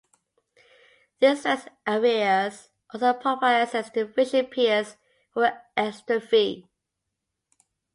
These rest areas also provide access to the fishing piers, for an extra fee.